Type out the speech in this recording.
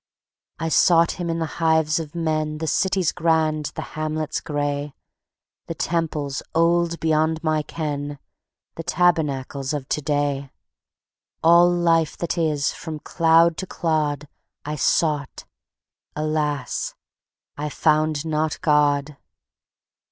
I sought Him in the hives of men, The cities grand, the hamlets gray, The temples old beyond my ken, The tabernacles of to day; All life that is, from cloud to clod I sought. ... Alas! I found not God.